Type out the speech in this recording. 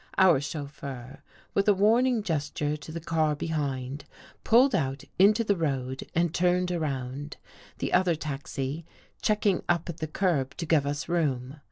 Our chauffeur, with a warning gesture to the car behind, pulled out into the road and turned around, the other taxi checking up at the curb to give us room.